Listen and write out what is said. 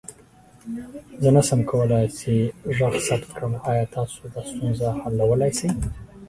زه نسم کولى چې غږ ثبت کړم، آيا تاسو دا ستونزه حل کولى سې؟